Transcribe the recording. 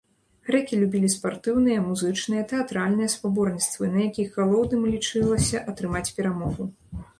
Грэкі любілі спартыўныя, музычныя, тэатральныя спаборніцтвы, на якіх галоўным лічылася атрымаць перамогу.